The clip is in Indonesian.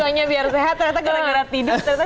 tidurnya biar sehat ternyata gara gara tidur ternyata bisa